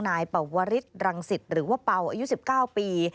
นายปวริสรังสิตหรือว่าเป่าอายุ๑๙ปี